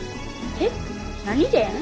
えっ何でん？